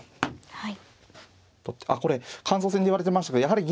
はい。